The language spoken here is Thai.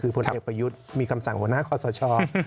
คือพลเอกประยุทธ์มีคำสั่งหัวหน้าคอสช